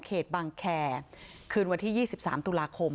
เขตบางแคร์คืนวันที่ยี่สิบสามตุลาคม